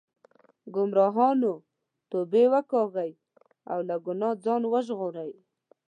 ګمراهانو توبې وکاږئ او له ګناه ځان وژغورئ.